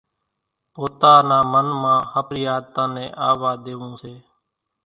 پوتا نا من مان ۿڦري عادتان نين آووا ۮيويون سي۔